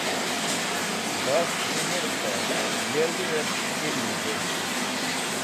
Baf z̃hẽmũr k̃hũ yiwẽret ilmẽ dũrz.